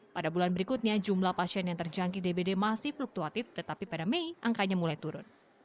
pada bulan berikutnya jumlah pasien yang terjangkit dbd masih fluktuatif tetapi pada mei angkanya mulai turun